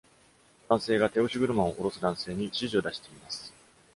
男性が手押し車を降ろす男性に指示を出しています。